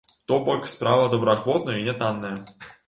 То бок, справа добраахвотная і нятанная.